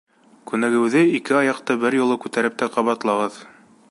Күнегеүҙе ике аяҡты бер юлы күтәреп тә ҡабатлағыҙ.